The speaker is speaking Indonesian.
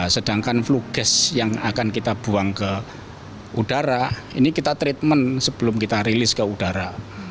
sedangkan flue case yang akan kita buang ke udara ini kita treatment sebelum kita rilis ke udara